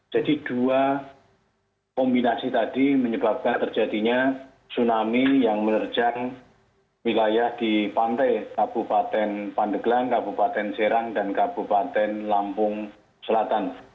jadi dua kombinasi tadi menyebabkan terjadinya tsunami yang menerjang wilayah di pantai kabupaten pandeglang kabupaten serang dan kabupaten lampung selatan